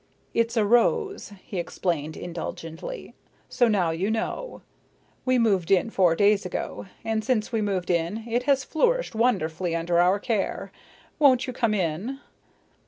"It's a rose," he explained indulgently. "So now you know. We moved in four days ago, and since we moved in, it has flourished wonderfully under our care. Won't you come in?"